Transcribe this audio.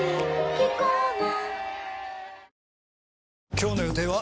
今日の予定は？